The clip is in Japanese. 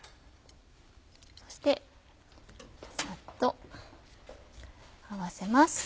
そしてさっと合わせます。